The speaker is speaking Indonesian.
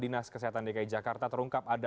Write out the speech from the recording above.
dinas kesehatan dki jakarta terungkap ada